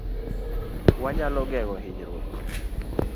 Wanyalo geng'o hinyruok